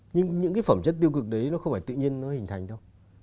nhưng những cái phẩm chất tiêu cực đấy nó không phải tự nhiên nó hình thành đâu